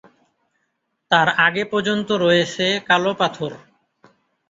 তার আগে পর্যন্ত রয়েছে কালো পাথর।